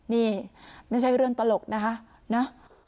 นี่ไม่ใช่เรื่องตลกนะคะนะ